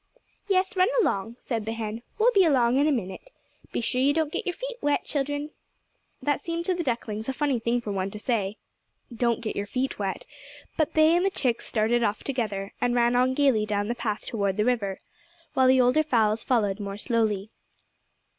"Yes, run along," said the hen. "We'll be along in a minute. Be sure you don't get your feet wet, children." That seemed to the ducklings a funny thing for any one to say—"Don't get your feet wet,"—but they and the chicks started off together, and ran on gaily down the path toward the river, while the older fowls followed more slowly.